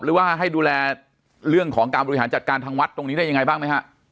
หรือว่าให้ดูแลเรื่องของการบริหารจัดการทางวัดตรงนี้ได้ยังไงบ้างไหมฮะ